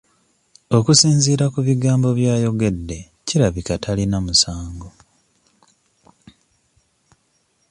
Okusinziira ku bigambo by'ayogedde kirabika talina musango.